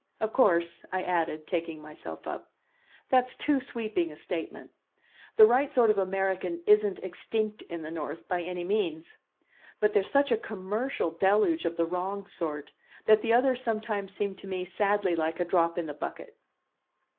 Of course," I added, taking myself up, "that's too sweeping a statement. The right sort of American isn't extinct in the North by any means. But there's such a commercial deluge of the wrong sort, that the others sometimes seem to me sadly like a drop in the bucket."